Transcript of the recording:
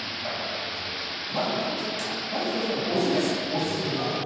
まず１つ目は、お酢ですね。